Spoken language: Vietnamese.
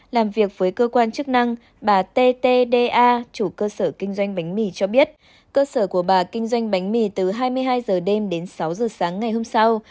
làm việc với cơ quan chức năng bà ttda chủ cơ sở kinh doanh bánh mì cho biết cơ sở của bà kinh doanh bánh mì từ hai mươi hai h đêm đến sáu h sáng ngày hôm sau